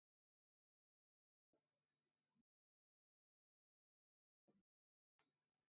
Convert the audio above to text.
"Graphic Novel Review for Libraries" era la guia periòdica per a bibliotecaris de Markstein.